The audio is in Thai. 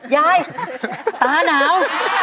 ยายตาหนาว